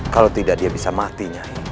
kalau tidak dia bisa matinya